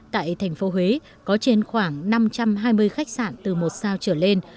tại thành phố huế có trên khoảng năm trăm hai mươi khách sạn từ một sao trở lên